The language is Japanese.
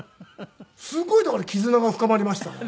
すごいだから絆が深まりましたね。